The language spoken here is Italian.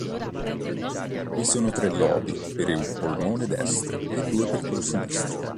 Vi sono tre lobi per il polmone destro e due per quello sinistro.